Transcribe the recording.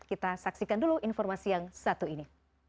kita saksikan dulu informasi yang satu ini